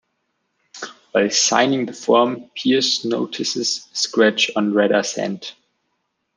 While signing the form, Pierce notices a scratch on Radar's hand.